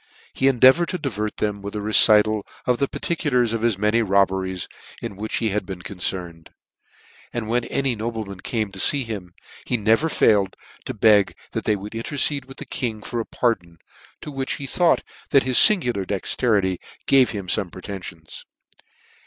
He endeavoured to divert them by a recital of the particulars of many robberies in which he had been concerned , and when any nobleman came to fee him, he never failed to beg that they would intercede with the king for a pardon, to which he thought that his fingular dexterity gave him fome pretenfions.